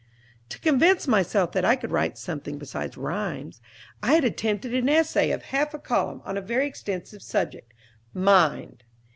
To convince myself that I could write something besides rhymes, I had attempted an essay of half a column on a very extensive subject, "MIND."